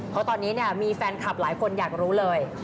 เพราะตอนนี้เนี่ยมีแฟนคลับหลายคนอยากรู้เลย